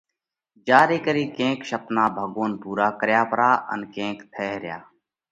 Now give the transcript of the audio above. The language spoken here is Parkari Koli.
جيا ري ڪري ڪينڪ شپنا ڀڳوونَ پُورا ڪرياھ پرا ان ڪينڪ ٿئھ ريا۔